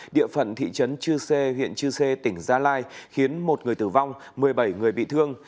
địa phận thị trấn chư sê huyện chư sê tỉnh gia lai khiến một người tử vong một mươi bảy người bị thương